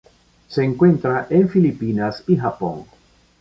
Se encuentra en Filipinas y Japón.